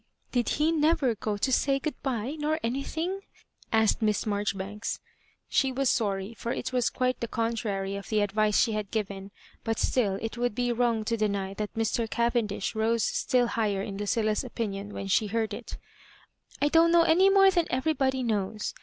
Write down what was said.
" Did he never go to say good bye, nor any thing?'* asked Miss Marjoribank& She was sorry, for it was quite the contrary of the advice she had given, but still it would be wrong to deny that Mr. Cavendish rose still higlier in Lu cilia's opinion when she heard it '* I don't know any more than everybody knows.